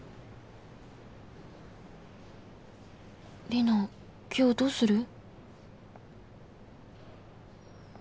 「リナ、今日どうする？」。